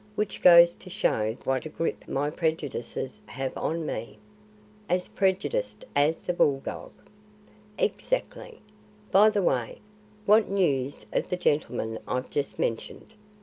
Which goes to show what a grip my prejudices have on me." "As prejudiced as a bulldog." "Exactly. By the way, what news of the gentleman I've just mentioned?